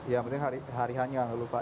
iya harus hari hanya gak lupa